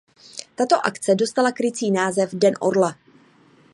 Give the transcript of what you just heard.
Tato akce dostala krycí název "„Den Orla“".